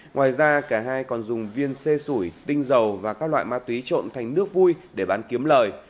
ngoài ra cả hai còn dùng viên xê sủi tinh dầu và các loại ma túy trộn thành nước vui để bán kiếm lời